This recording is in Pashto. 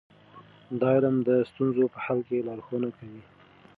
دا علم د ستونزو په حل کې لارښوونه کوي.